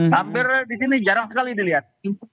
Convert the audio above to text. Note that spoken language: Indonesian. hampir di sini jarang sekali dilihat